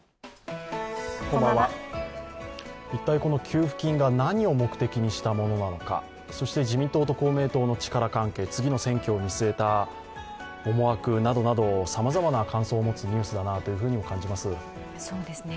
一体、この給付金が何を目的にしたものなのか、そして自民党と公明党の力関係、次の選挙を見据えた思惑などなどさまざまな感想を持つニュースだなと感じます。